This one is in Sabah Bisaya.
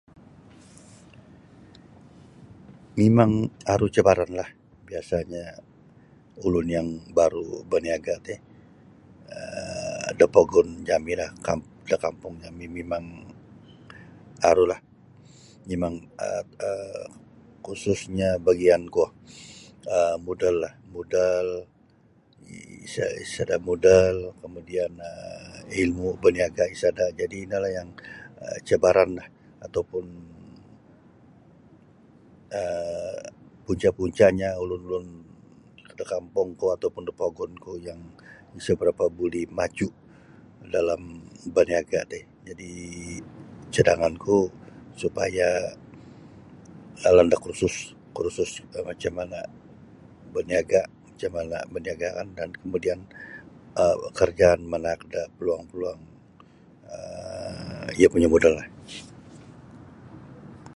Mimang aru cabaranlah biasanyo ulun yang baru' baniaga' ti um da pogun jami'lah kam da kampung jami' mimang arulah mimang um khususnyo bagian kuo um modallah modal isada' modal kamudian ilmu' paniagaan isada' jadi' inolah yang cabaranlah atau pun um punca'-puncanyo ulun-ulun da kampungku atau pun da pogunku yang isa' barapa' buli maju' dalam baniaga' ti. Jadi' cadanganku supaya alan da kursus kursus macam mana' baniaga' macam mana' baniagaan dan kemudian um karajaan manaak da peluang-peluang um iyo punya' modal ri.